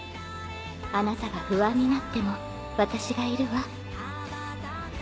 あなたが不安になっても私がいるわ」。